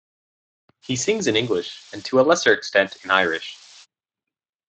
He sings in English, and to a lesser extent in Irish.